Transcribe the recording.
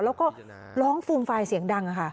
แล้วก็ร้องฟูมฟายเสียงดังค่ะ